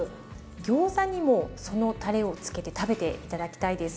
ギョーザにもそのたれを付けて食べて頂きたいです。